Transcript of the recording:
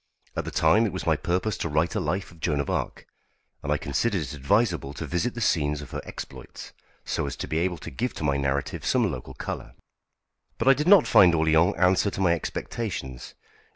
At the time it was my purpose to write a life of Joan of Arc, and I considered it advisable to visit the scenes of her exploits, so as to be able to give to my narrative some local colour. But I did not find Orléans answer to my expectations.